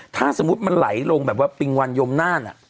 ถ้าสมมุติมันไหลลงแบบว่าปิงวันยมน่าน